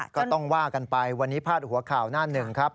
ก็ต้องว่ากันไปวันนี้พาดหัวข่าวหน้าหนึ่งครับ